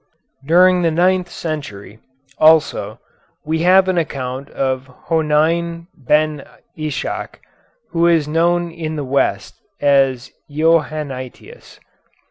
During the ninth century, also, we have an account of Honein Ben Ischak, who is known in the West as Johannitius.